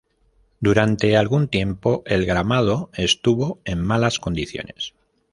Durante algún tiempo el gramado estuvo en malas condiciones.